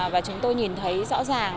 và chúng tôi nhìn thấy rõ ràng